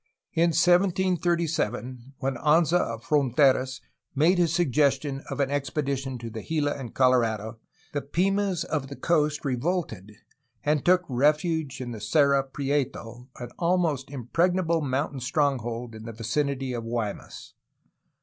In 1737, when Anza of Fronteras made his sug gestion of an expedition to the Gila and Colorado, the Pimas of the coast revolted and took refuge in the Cerro Prieto, an almost impregnable mountain stronghold in the vicinity of Guaymas.